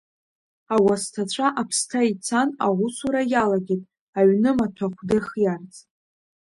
Ауасҭацәа аԥсҭа ицан аусура иалагеит аҩны маҭәахә дырхиарц.